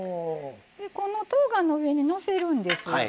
とうがんの上にのせるんです。